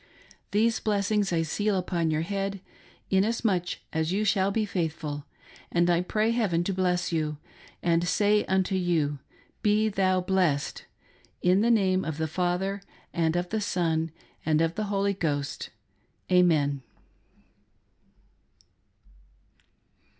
These blessings I seal upon your head, inasmuch as you shall be faithful ; and I pray heaven to bless you ; and say unto you — Be thou blessed, in the name of the Fa ther, and of the Son, and of the Holy Ghost. Amen."